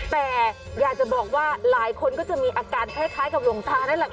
แต่อยากจะบอกว่าหลายคนก็จะมีอาการคล้ายกับหลวงตานั่นแหละค่ะ